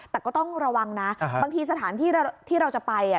แต่ก็ต้องระวังนะบางทีสถานที่ที่เราจะไป